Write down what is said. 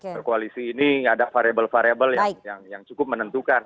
berkoalisi ini ada variable variable yang cukup menentukan